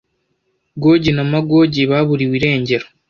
Gogi na Magogi baburiwe irengero